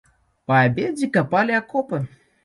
Па абедзе капалі акопы.